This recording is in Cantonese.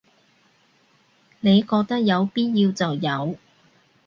你覺得有必要就有